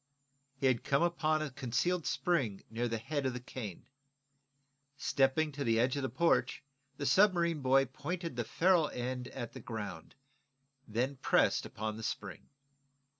He had come upon a concealed spring near the head of the cane. Stepping to the edge of the porch, the submarine boy pointed the ferrule end at the ground, then pressed upon the spring.